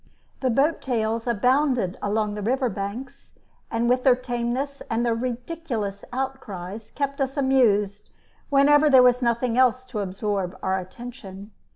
The boat tails abounded along the river banks, and, with their tameness and their ridiculous outcries, kept us amused whenever there was nothing else to absorb our attention.